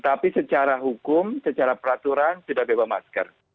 tapi secara hukum secara peraturan sudah bebas masker